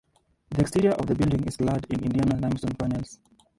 The exterior of the building is clad in Indiana limestone panels.